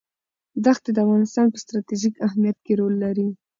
ښتې د افغانستان په ستراتیژیک اهمیت کې رول لري.